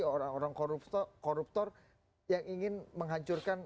orang orang koruptor yang ingin menghancurkan